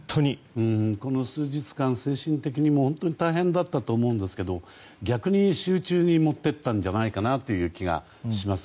この数日間精神的にも大変だったと思うんですけど逆に集中にもっていったんじゃないかなという気がします。